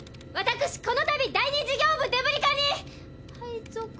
私このたび第二事業部デブリ課に配属。